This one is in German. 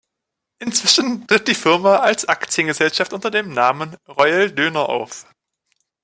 Inzwischen tritt die Firma als Aktiengesellschaft unter dem Namen Royal Döner auf.